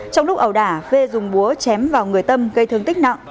trong lúc ẩu đả phê dùng búa chém vào người tâm gây thương tích nặng